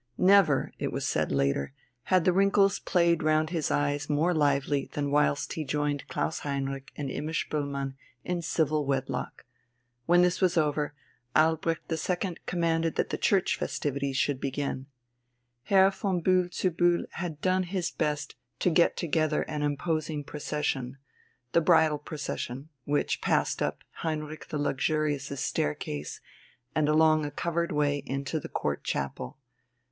Never, it was said later, had the wrinkles played round his eyes more lively than whilst he joined Klaus Heinrich and Imma Spoelmann in civil wedlock. When this was over, Albrecht II commanded that the church festivities should begin. Herr von Bühl zu Bühl had done his best to get together an imposing procession the bridal procession, which passed up Heinrich the Luxurious's staircase and along a covered way into the Court Chapel.